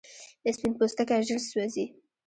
سپین پوستکی ژر سوځي